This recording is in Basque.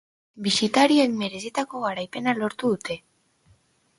Bisitariek merezitako garaipena lortu dute.